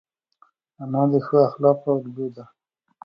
انا د ښو اخلاقو الګو ده